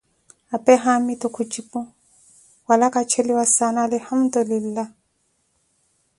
apee haamitu khujipu: wala kacheliwa saana alihamtulillah.